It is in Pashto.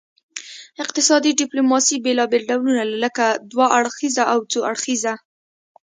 اقتصادي ډیپلوماسي بیلابیل ډولونه لري لکه دوه اړخیزه او څو اړخیزه